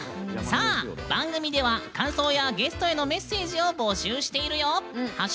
番組では感想やゲストへのメッセージを募集しているよ。